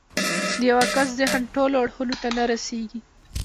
د يوه کس ذهن ټولو اړخونو ته نه رسېږي.